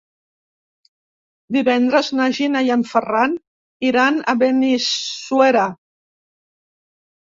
Divendres na Gina i en Ferran iran a Benissuera.